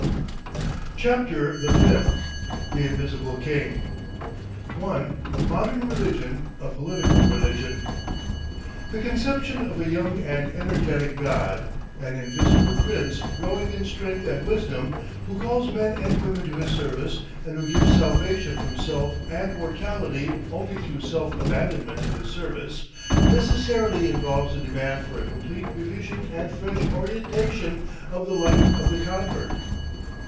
CHAPTER THE FIFTH THE INVISIBLE KING 1. MODERN RELIGION A POLITICAL RELIGION The conception of a young and energetic God, an Invisible Prince growing in strength and wisdom, who calls men and women to his service and who gives salvation from self and mortality only through self abandonment to his service, necessarily involves a demand for a complete revision and fresh orientation of the life of the convert.